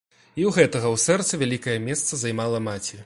І ў гэтага ў сэрцы вялікае месца займала маці.